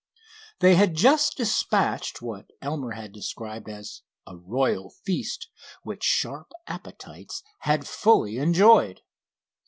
They had just dispatched what Elmer had described as "a royal feast," which sharp appetites had fully enjoyed.